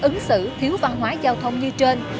ứng xử thiếu văn hóa giao thông như trên